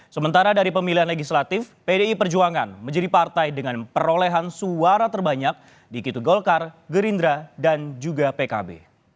sementara dari pemilihan legislatif pdi perjuangan menjadi partai dengan perolehan suara terbanyak dikit golkar gerindra dan juga pkb